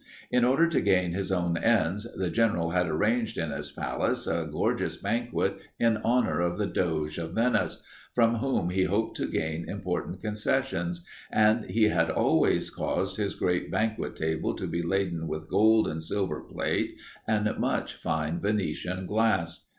In order to gain his own ends, the General had arranged in his palace a gorgeous banquet in honor of the Doge of Venice, from whom he hoped to gain important concessions, and he had caused his great banquet table to be laden with gold and silver plate and much fine Venetian glass.